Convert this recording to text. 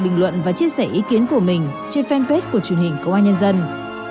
bình luận và chia sẻ ý kiến của mình trên fanpage của truyền hình công an nhân dân